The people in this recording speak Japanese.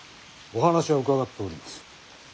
お話は伺っております。